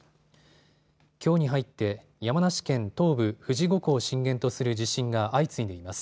きょうに入って山梨県東部、富士五湖を震源とする地震が相次いでいます。